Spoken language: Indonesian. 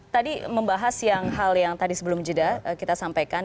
tadi membahas hal yang tadi sebelum jeda kita sampaikan